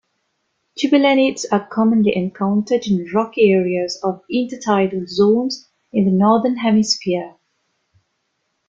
Tubulanids are commonly encountered in rocky areas of intertidal zones in the northern hemisphere.